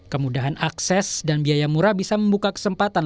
kemudahan akses dan biaya murah bisa membuka kesempatan